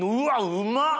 うまっ！